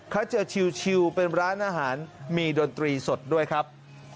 เขาเจอชิลเป็นร้านอาหารมีดนตรีสดด้วยครับ